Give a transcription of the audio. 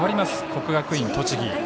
国学院栃木。